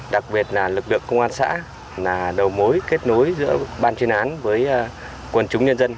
đặc biệt là lực lượng công an xã là đầu mối kết nối giữa ban chuyên án với quần chúng nhân dân